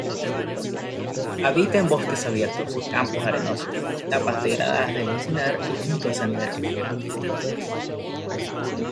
Habita en bosques abiertos, campos arenosos, etapas degradadas del encinar y junto a senderos.